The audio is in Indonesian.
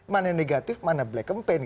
mana yang negatif mana black campaign